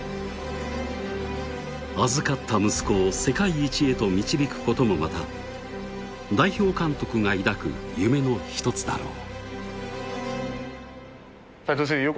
預かった息子を世界一へと導くこともまた代表監督が抱く夢の一つだろう